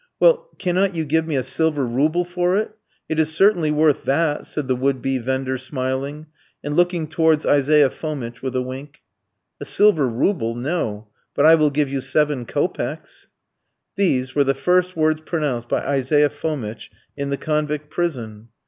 "Well, cannot you give me a silver rouble for it? It is certainly worth that," said the would be vendor smiling, and looking towards Isaiah Fomitch with a wink. "A silver rouble! no; but I will give you seven kopecks." These were the first words pronounced by Isaiah Fomitch in the convict prison.